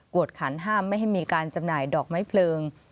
วดขันห้ามไม่ให้มีการจำหน่ายดอกไม้เพลิง